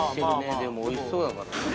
でもおいしそうだから。